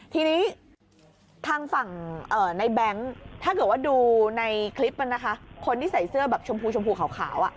ทีนี้ทางฝั่งในแบงค์ถ้าเกิดว่าดูในคลิปมันนะคะคนที่ใส่เสื้อแบบชมพูชมพูขาว